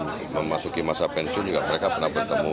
memasuki masa pensiun juga mereka pernah bertemu